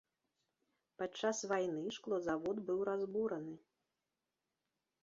Падчас вайны шклозавод быў разбураны.